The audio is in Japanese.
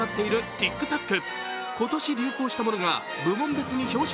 ＴｉｋＴｏｋ